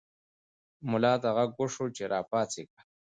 ملا ته غږ وشو چې راپاڅېږه.